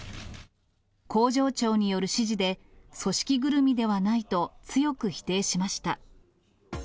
工場長による指示で、組織ぐるみではないと強く否定しました。